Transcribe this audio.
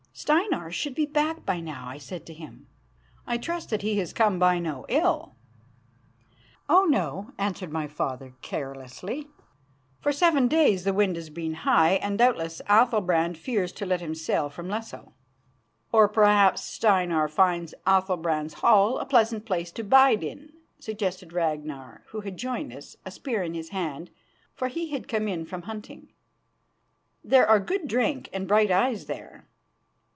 "Steinar should be back by now," I said to him. "I trust that he has come by no ill." "Oh no," answered my father carelessly. "For seven days the wind has been high, and doubtless Athalbrand fears to let him sail from Lesso." "Or perhaps Steinar finds Athalbrand's hall a pleasant place to bide in," suggested Ragnar, who had joined us, a spear in his hand, for he had come in from hunting. "There are good drink and bright eyes there."